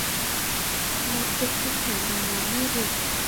Mọi chuyện không thể nào là mơ được